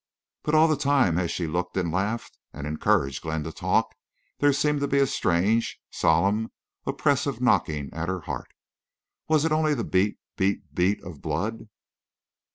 But all the time as she looked and laughed, and encouraged Glenn to talk, there seemed to be a strange, solemn, oppressive knocking at her heart. Was it only the beat beat beat of blood?